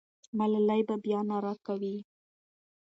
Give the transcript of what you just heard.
ملالۍ به بیا ناره کوي.